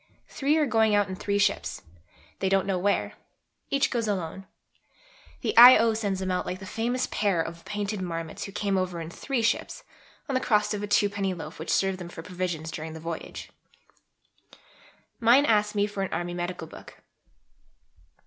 Three are going out in three ships they don't know where each goes alone. (The I.O. sends them out like the famous pair of Painted Marmots who came over in three ships, on the crust of a twopenny loaf which served them for provisions during the voyage.) Mine asks me for an Army Medical Book.